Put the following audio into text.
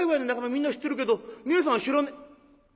みんな知ってるけどねえさん知らねえ。